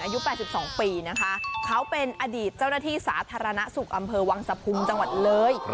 อายุ๘๒ปีนะคะเขาเป็นอดีตเจ้าหน้าที่สาธารณสุขอำเภอวังสะพุงจังหวัดเลย